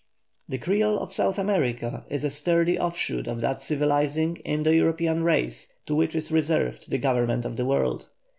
The Creole of South America is a sturdy off shoot of that civilizing Indo European race to which is reserved the government of the world.